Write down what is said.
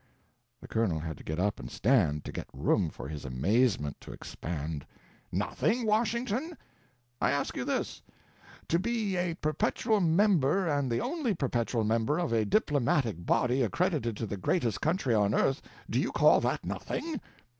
The Colonel had to get up and stand, to get room for his amazement to expand. "Nothing, Washington? I ask you this: to be a perpetual Member and the only Perpetual Member of a Diplomatic Body accredited to the greatest country on earth do you call that nothing?"